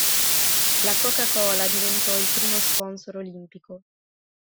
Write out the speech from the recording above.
La Coca-Cola diventò il primo sponsor olimpico.